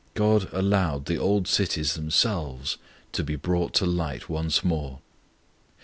God allowed the old cities themselves to be brought to light once more.